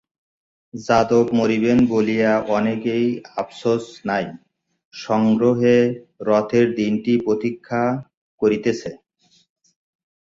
যাদব মরিবেন বলিয়া অনেকেরই আপসোস নাই, সংগ্রহে রথের দিনটির প্রতীক্ষা করিতেছে।